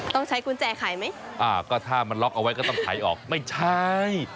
ต้องใช้กุญแจไขไหมอ่าก็ถ้ามันล็อกเอาไว้ก็ต้องไถออกไม่ใช่